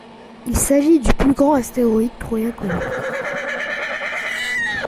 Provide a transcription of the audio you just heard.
Il s'agit du plus grand astéroïde troyen connu.